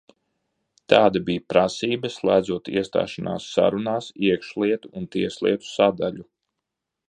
Tāda bija prasība, slēdzot iestāšanās sarunās iekšlietu un tieslietu sadaļu.